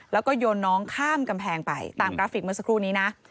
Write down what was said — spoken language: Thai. แล้วก็โยนน้องข้ามกำแพงไปตามกราฟิกเมื่อสักครู่นี้นะ